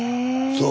そう。